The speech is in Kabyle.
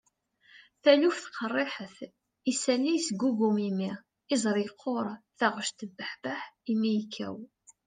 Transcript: taluft qerriḥet, isalli yesgugum imi, iẓri yeqquṛ, taɣect tebbuḥbeḥ, imi yekkaw